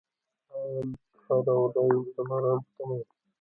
عاد هره ورځ د باران په تمه وو.